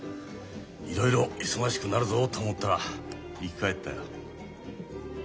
いろいろ忙しくなるぞと思ったら生き返ったよ。